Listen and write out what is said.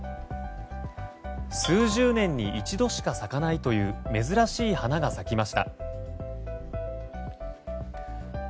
数十年に一度しか咲かないという珍しい花が咲きました。